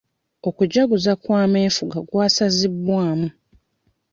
Okujaguza kw'amefuga kwasazibwamu.